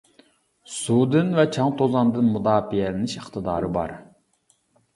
سۇدىن ۋە چاڭ-توزاندىن مۇداپىئەلىنىش ئىقتىدارى بار.